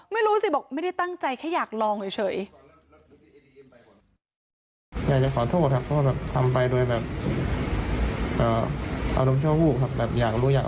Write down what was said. ไม่รู้สิบอกไม่ได้ตั้งใจแค่อยากลองเฉย